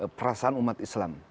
hargai perasaan umat islam